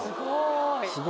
すごい！